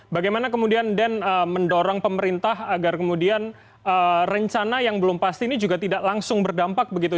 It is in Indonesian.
bagaimana kemudian den mendorong pemerintah agar kemudian rencana yang belum pasti ini juga tidak langsung berdampak begitu